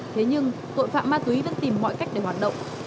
thế nhưng tội phạm ma túy vẫn tìm mọi cách để hoạt động